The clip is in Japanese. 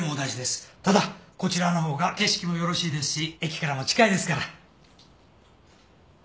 ただこちらの方が景色もよろしいですし駅からも近いですから。